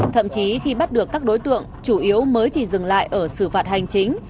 thậm chí khi bắt được các đối tượng chủ yếu mới chỉ dừng lại ở xử phạt hành chính